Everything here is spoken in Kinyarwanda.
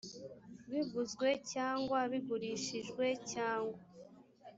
biguzwe cyangwa bigurishijwe cyangwa